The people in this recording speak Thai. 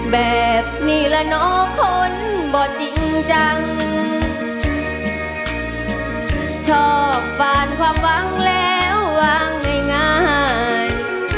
แบบนี้ละเนาะคนบ่จริงจังชอบปานความหวังแล้ววางง่าย